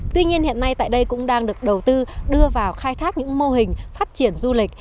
tuy nhiên hiện nay tại đây cũng đang được đầu tư đưa vào khai thác những mô hình phát triển du lịch